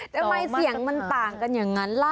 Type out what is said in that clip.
ทำไมเสียงมันต่างกันอย่างนั้นล่ะ